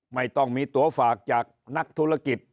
ไม่ต้องมีตัวฝากจากนักธุรกิจ